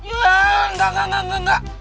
enggak enggak enggak enggak